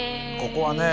ここはね